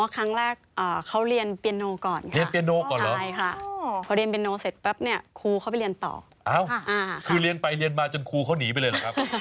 อ๋อครั้งแรกอ่าเขาเรียนเปียโนก่อนค่ะเพราะเรียนเปียโนเสร็จปั๊บเนี้ยครูเขาไปเรียนต่ออ้าวคือเรียนไปเรียนมาจนครูเขาหนีไปเลยหรอครับ